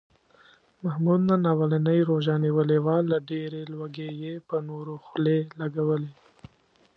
محمود نن اولنۍ روژه نیولې وه، له ډېرې لوږې یې په نورو خولې لږولې.